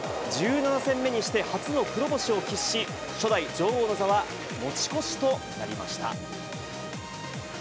１７戦目にして、初の黒星を喫し、初代女王の座は持ち越しとなりました。